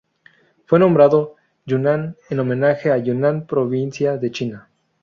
Fue nombrado Yunnan en homenaje a Yunnan provincia de China.